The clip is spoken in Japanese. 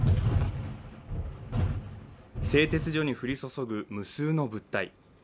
製鉄所に降り注ぐ無数の物体。